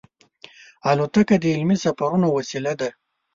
الوتکه د علمي سفرونو وسیله ده.